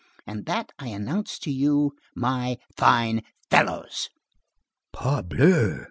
And that I announce to you, my fine fellows!" "Parbleu!"